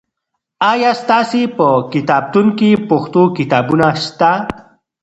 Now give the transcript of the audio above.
آیا ستاسې په کتابتون کې پښتو کتابونه سته؟